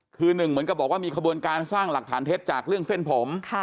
คือหนึ่งเหมือนกับบอกว่ามีขบวนการสร้างหลักฐานเท็จจากเรื่องเส้นผม